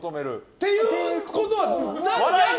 っていうことは何？